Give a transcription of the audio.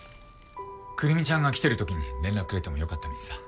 くるみちゃんが来てる時に連絡くれてもよかったのにさ。